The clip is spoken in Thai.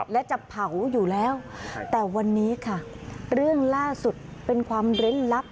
และจะเผาอยู่แล้วแต่วันนี้ค่ะเรื่องล่าสุดเป็นความเร้นลับ